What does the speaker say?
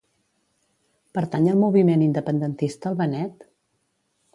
Pertany al moviment independentista el Benet?